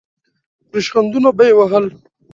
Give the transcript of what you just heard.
ریشخندونه به یې وهل.